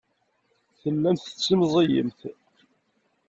Tellamt tettimẓiyemt.